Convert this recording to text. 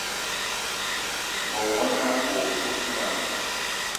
Me wog-na o kousma: